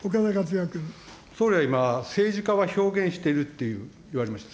総理は今、政治家は表現しているって言われました。